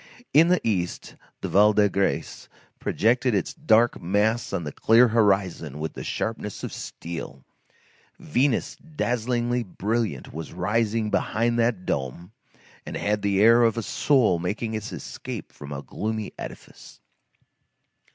In the East, the Val de Grâce projected its dark mass on the clear horizon with the sharpness of steel; Venus dazzlingly brilliant was rising behind that dome and had the air of a soul making its escape from a gloomy edifice.